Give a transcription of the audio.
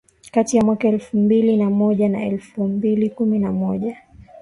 kati ya mwaka elfu mbili na moja na elfu mbili kumi na moja